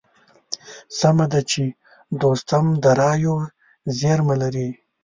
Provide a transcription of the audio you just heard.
سمه ده چې دوستم د رايو زېرمه لري.